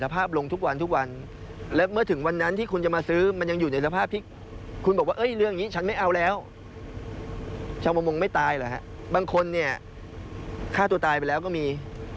ประโมงไม่ตายเหรอฮะบางคนเนี่ยฆ่าตัวตายไปแล้วก็มี